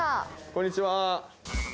こんにちは。